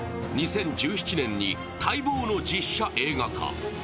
２０１７年に待望の実写映画化。